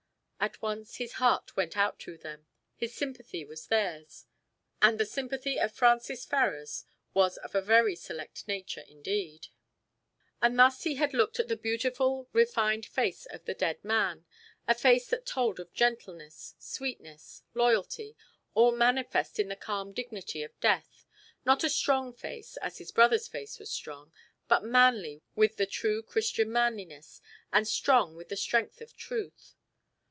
At once his heart went out to them, his sympathy was theirs, and the sympathy of Francis Ferrars was of a very select nature indeed. And thus he had looked at the beautiful refined face of the dead man, a face that told of gentleness, sweetness, loyalty, all manifest in the calm dignity of death. Not a strong face, as his brother's face was strong, but manly with the true Christian manliness, and strong with the strength of truth.